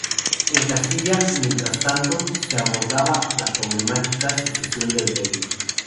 En Castilla, mientras tanto, se abordaba la problemática sucesión del rey.